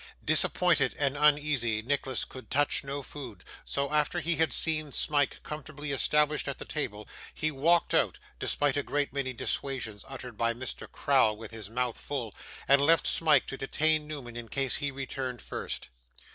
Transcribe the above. Disappointed and uneasy, Nicholas could touch no food, so, after he had seen Smike comfortably established at the table, he walked out (despite a great many dissuasions uttered by Mr. Crowl with his mouth full), and left Smike to detain Newman in case he returned first.